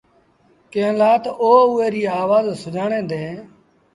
ڪݩهݩ لآ تا او اُئي ريٚ آوآز سُڃآڻي دينٚ۔